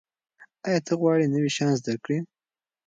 ایا ته غواړې نوي شیان زده کړې؟